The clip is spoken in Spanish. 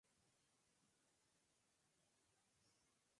Relajan la musculatura bronquial.